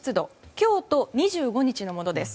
今日と２５日のものです。